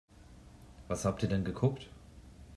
Was habt ihr denn geguckt?